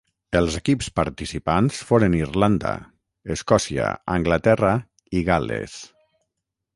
Els equips participants foren Irlanda, Escòcia, Anglaterra, i Gal·les.